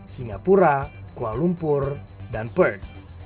singapura kuala lumpur dan perk